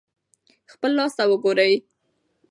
خپل لاس ته وګورئ.